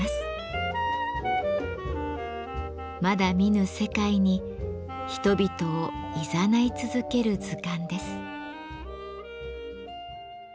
まだ見ぬ世界に人々をいざない続ける図鑑です。